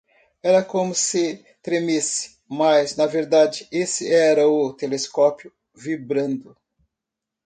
Era como se tremesse?, mas na verdade esse era o telescópio vibrando.